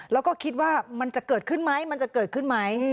แล้วก็คิดว่ามันจะเกิดขึ้นไหมมันจะเกิดขึ้นไหม